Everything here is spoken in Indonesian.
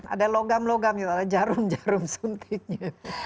ada logam logam yaitu adalah jarum jarum suntiknya